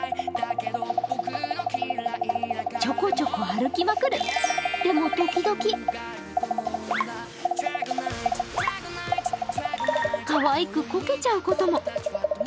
ちょこちょこ歩きまくるでも、ときどきかわいく、こけちゃうことも。